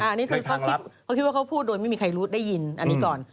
อันนี้คือเขาคิดว่าเขาพูดโดยไม่มีใครรู้ได้ยินอันนี้ก่อน